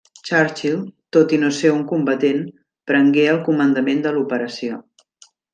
Churchill, tot i no ser un combatent, prengué el comandament de l'operació.